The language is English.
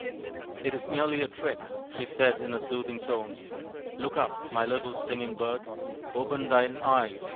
" It is merely a trick/' she said in a soothing tone. " Look up, my little Singing Bird. Open thine eyes.